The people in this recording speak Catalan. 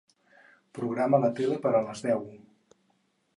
Programa la tele per a les deu.